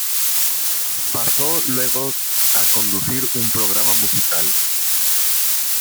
Pasó luego a conducir un programa musical.